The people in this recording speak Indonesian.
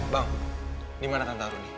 bang dimana tante aruni